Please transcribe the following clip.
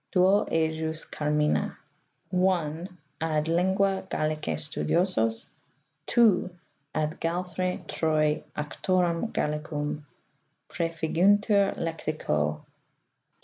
Duo ejus carmina (i) Ad lingitce Gallica sttediosos ; (2) Ad Galfr. Troy auctorem Gallicum , prEefiguntur Lexico Joh.